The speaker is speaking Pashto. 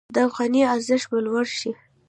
د افغانۍ ارزښت به لوړ شي.